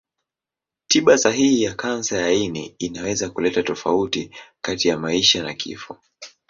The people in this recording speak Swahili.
Tiba sahihi ya kansa ya ini inaweza kuleta tofauti kati ya maisha na kifo.